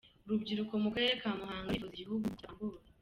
Urubyiruko mu karere ka Muhanga rurifuza igihugu kitavangura.